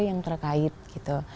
yang terkait gitu